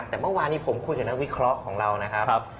แต่เมื่อวานนี้ผมคุยกับนักวิเคราะห์ของเรานะครับ